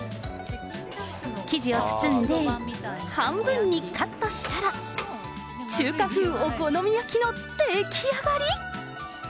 生地を包んで、半分にカットしたら、中華風お好み焼きの出来上がり。